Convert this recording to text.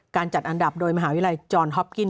จัดอันดับโดยมหาวิทยาลัยจรฮอปกิ้น